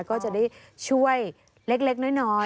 ก็จะได้ช่วยเล็กน้อย